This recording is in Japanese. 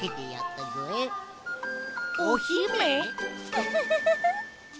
ウフフフフ。